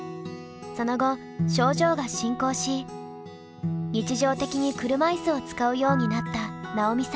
その後症状が進行し日常的に車いすを使うようになった奈緒美さん。